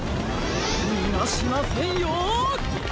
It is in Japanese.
にがしませんよ。